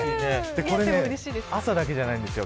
これ、朝だけじゃないんですよ。